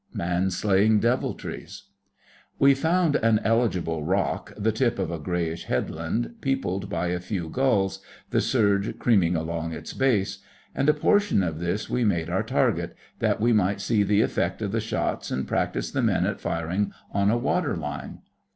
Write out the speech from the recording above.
MAN SLAYING DEVILTRIES We found an eligible rock, the tip of a greyish headland, peopled by a few gulls—the surge creaming along its base—and a portion of this we made our target, that we might see the effect of the shots and practise the men at firing on a water line.